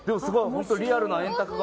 ホントリアルな円卓が。